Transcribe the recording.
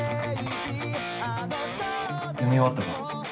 読み終わったか？